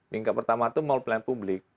tingkat pertama itu mau pelayanan publik